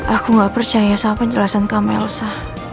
aku nggak percaya sama penjelasan kamu elsa